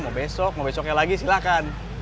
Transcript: mau besok mau besoknya lagi silahkan